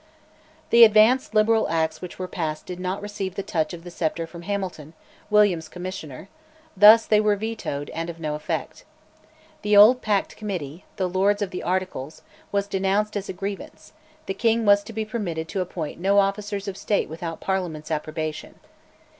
The advanced Liberal Acts which were passed did not receive the touch of the sceptre from Hamilton, William's Commissioner: thus they were "vetoed," and of no effect. The old packed committee, "The Lords of the Articles," was denounced as a grievance; the king was to be permitted to appoint no officers of State without Parliament's approbation.